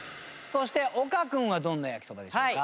そして岡君はどんな焼きそばでしょうか？